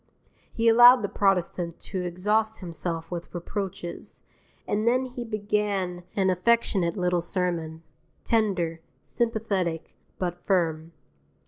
He allowed the protestant to exhaust himself with reproaches, and then he began an affectionate little sermon, tender, sympathetic, but firm.